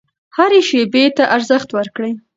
هرې شیبې ته ارزښت ورکړئ.